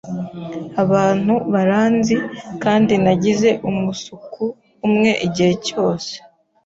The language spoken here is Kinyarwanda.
Abantu baranzi, kandi nagize umusuku umwe igihe cyose.